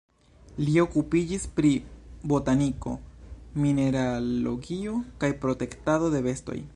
Li okupiĝis pri botaniko, mineralogio kaj protektado de bestoj.